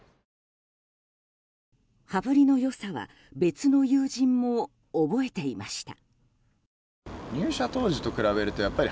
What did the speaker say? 羽振りの良さは別の友人も覚えていました。